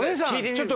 ちょっと。